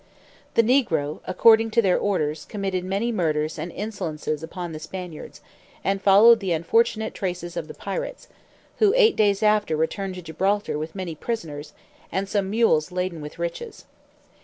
The negro, according to their orders, committed many murders and insolencies upon the Spaniards, and followed the unfortunate traces of the pirates; who eight days after returned to Gibraltar with many prisoners, and some mules laden with riches.